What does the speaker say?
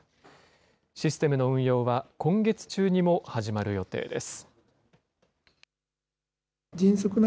システムの運用は、今月中にも始まる予定です。